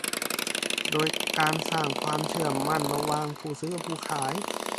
โดยการสร้างความเชื่อมั่นระหว่างผู้ซื้อกับผู้ขาย